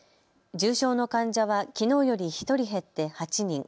重症の患者はきのうより１人減って８人。